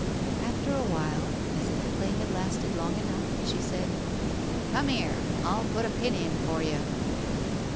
. After a while, as if the play had lasted long enough, she said — "Come here ! I'll put a pin in for you."